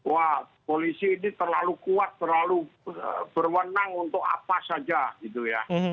wah polisi ini terlalu kuat terlalu berwenang untuk apa saja gitu ya